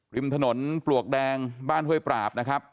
ริมถนนปลวกแดงบ้านห้วยปราบนะครับ